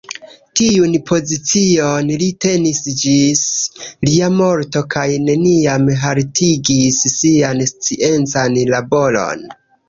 Tiun pozicion li tenis ĝis lia morto kaj neniam haltigis sian sciencan laboron.